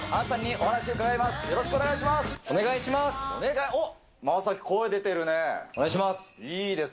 お願いします。